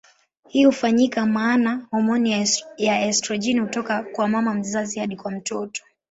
Hii hufanyika maana homoni ya estrojeni hutoka kwa mama mzazi hadi kwa mtoto.